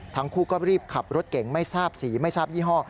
ทั้งคู่ก็รีบขับรถเก่งไม่ทราบสีไม่ทราบยี่ห้อ